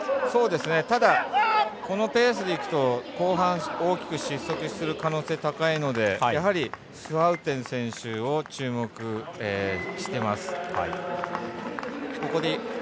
ただ、このペースでいくと後半、大きく失速する可能性が高いのでスハウテン選手を注目してます。